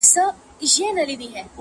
• د یوې لويی غونډي -